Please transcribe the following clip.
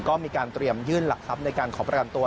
ก็มีการเตรียมยื่นหลักทรัพย์ในการขอประกันตัว